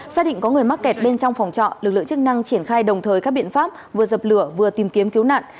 xác định có người mắc kẹt bên trong phòng trọ lực lượng chức năng triển khai đồng thời các biện pháp vừa dập lửa vừa tìm kiếm cứu nạn